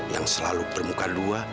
yang selalu bermuka dua